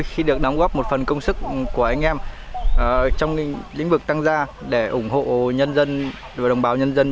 khi được đóng góp một phần công sức của anh em trong lĩnh vực tăng gia để ủng hộ nhân dân và đồng bào nhân dân